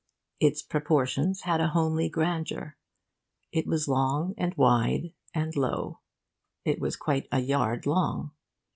Its proportions had a homely grandeur. It was long and wide and low. It was quite a yard long.